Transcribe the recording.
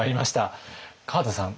川田さん